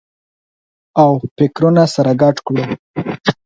او فکرونه سره ګډ کړو